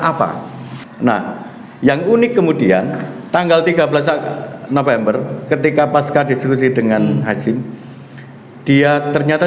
apa nah yang unik kemudian tanggal tiga belas november ketika pasca diskusi dengan hakim dia ternyata